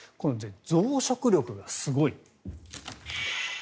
増殖力がすごい。